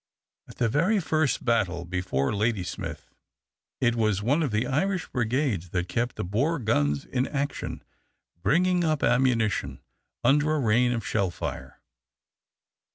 At the first battle before Ladysmith it was one of the Irish brigades that kept the Boer guns in action, bringing up ammunition under a rain of shellfire.